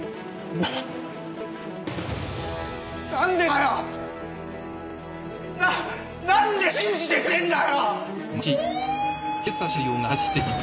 ななんで信じてくんねえんだよ！